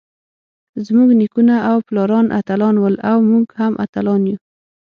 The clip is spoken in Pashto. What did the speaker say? زمونږ نيکونه او پلاران اتلان ول اؤ مونږ هم اتلان يو.